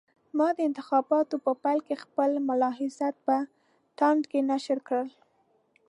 ما د انتخاباتو په پیل کې خپل ملاحضات په تاند کې نشر کړل.